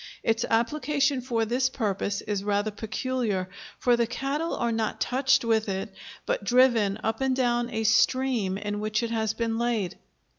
Its application for this purpose is rather peculiar, for the cattle are not touched with it, but driven up and down a stream in which it has been laid.